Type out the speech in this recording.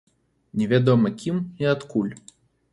Невядома кім і адкуль.